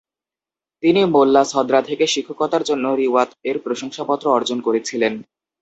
তিনি Mulla Sadra থেকে শিক্ষকতার জন্য "রিওয়াত" এর প্রশংসাপত্র অর্জন করেছিলেন।